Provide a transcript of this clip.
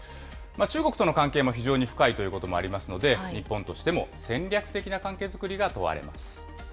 中国との関係も非常に深いということもありますので、日本としても戦略的な関係作りが問われます。